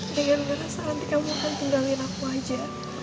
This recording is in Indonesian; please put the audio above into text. dengan ngerasa nanti kamu akan tinggalin aku aja